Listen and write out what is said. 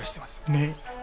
ねっ。